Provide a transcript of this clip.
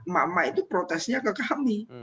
mak mak itu protesnya ke kami